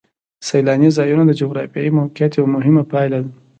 سیلاني ځایونه د جغرافیایي موقیعت یوه مهمه پایله ده.